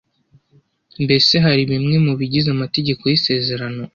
mbese hari bimwe mu bigize Amategeko y isezerano